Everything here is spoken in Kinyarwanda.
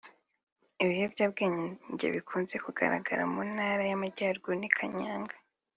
Ibiyobyabwenge bikunze kugaragara mu Ntara y’Amajyaruguru ni kanyanga